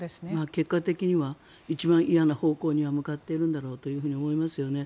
結果的には一番嫌な方向に向かっているんだろうと思いますよね。